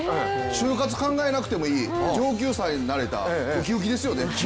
就活考えなくてもいい上級生になれたウキウキですよね。